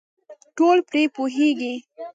ټول پرې پوهېږي .